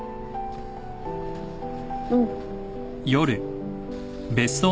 うん。